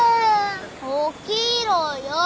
起きろよ。